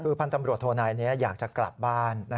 คือพันธ์ตำรวจโทนายนี้อยากจะกลับบ้าน